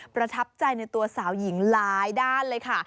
ประทับใจในตัวสาวหญิงหลายด้านเลยค่ะ